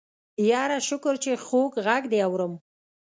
يره شکر چې خوږ غږ دې اورم.